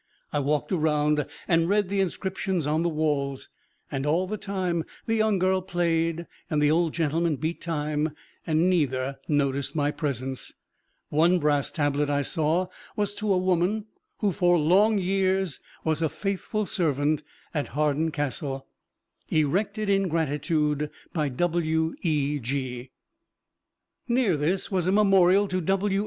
I walked around and read the inscriptions on the walls, and all the time the young girl played and the old gentleman beat time, and neither noticed my presence. One brass tablet I saw was to a woman "who for long years was a faithful servant at Hawarden Castle erected in gratitude by W.E.G." Near this was a memorial to W.